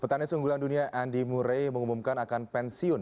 petani sunggulan dunia andy murray mengumumkan akan pensiun